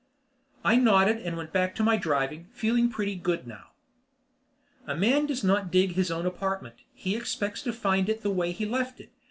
I nodded and went back to my driving, feeling pretty good now. A man does not dig his own apartment. He expects to find it the way he left it.